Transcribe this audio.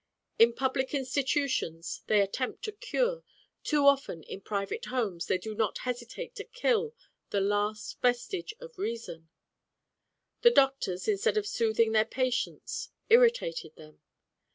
In public institutions they attempt to cure, too often in private homes they do not hesitate to kill the last vestige of reason. The doctors, instead of soothing their patients, irritated them.